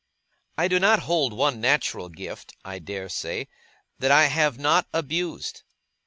I do not hold one natural gift, I dare say, that I have not abused.